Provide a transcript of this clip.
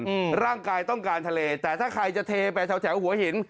อืมร่างกายต้องการทะเลแต่ถ้าใครจะเทไปแถวแถวหัวหิน